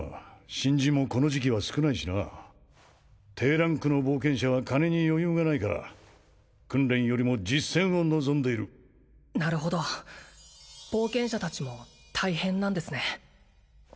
新人もこの時期は少ないしな低ランクの冒険者は金に余裕がないから訓練よりも実戦を望んでいるなるほど冒険者達も大変なんですね